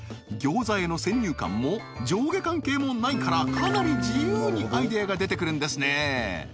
餃子への先入観も上下関係もないからかなり自由にアイデアが出てくるんですね